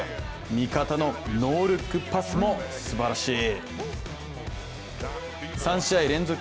味方のノールックパスもすばらしい。